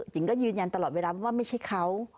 หญิงก็ยืนยันตลอดเวลาว่าไม่ใช่เขา